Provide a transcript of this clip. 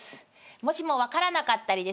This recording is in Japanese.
もしも分からなかったりですね